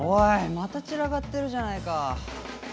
また散らかってるじゃないか。